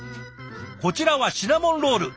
こちらはシナモンロール。